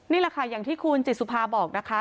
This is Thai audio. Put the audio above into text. นี่แหละค่ะอย่างที่คุณจิตสุภาบอกนะคะ